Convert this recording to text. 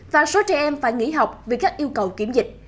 và số trẻ em phải nghỉ học vì các yêu cầu kiểm dịch